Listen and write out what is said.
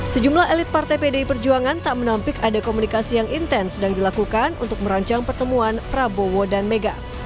sejumlah elit partai pdi perjuangan tak menampik ada komunikasi yang intens sedang dilakukan untuk merancang pertemuan prabowo dan mega